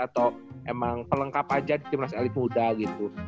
atau emang pelengkap aja di timnas elit muda gitu